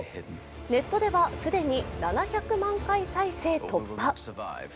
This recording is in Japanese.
ネットでは既に７００万回再生突破。